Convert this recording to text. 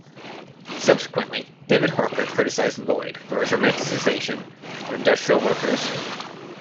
Subsequently David Harker criticised Lloyd for his romanticisation of industrial workers.